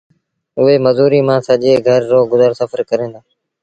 اُئي مزوريٚ مآݩ سڄي گھر رو گزر سڦر ڪريݩ دآ۔